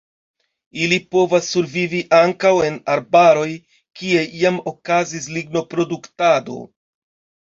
Ili povas survivi ankaŭ en arbaroj kie jam okazis lignoproduktado.